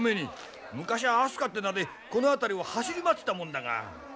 昔は明日香って名でこの辺りを走り回ってたもんだが。